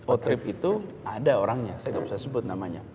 outrip itu ada orangnya saya nggak usah sebut namanya